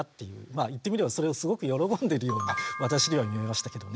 言ってみればそれをすごく喜んでいるように私には見えましたけどね。